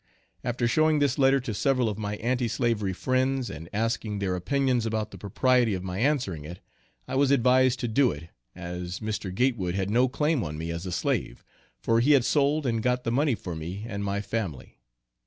After showing this letter to several of my anti slavery friends, and asking their opinions about the propriety of my answering it, I was advised to do it, as Mr. Gatewood had no claim on me as a slave, for he had sold and got the money for me and my family.